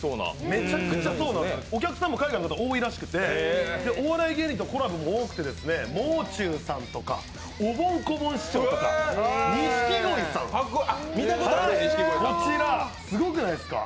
めちゃくちゃそうなんです、お客さんも海外の方多いらしくてお笑い芸人とこらぼも多くてもう中さんとか、おぼん・こぼん師匠とか錦鯉さん、こちらすごくないですか？